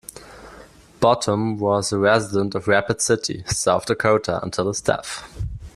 Bottum was a resident of Rapid City, South Dakota until his death.